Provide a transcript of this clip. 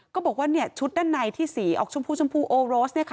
ก็บอกว่าชุดด้านในที่ออกชมพูโอ้โรสเนี่ยค่ะ